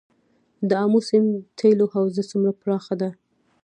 د امو سیند تیلو حوزه څومره پراخه ده؟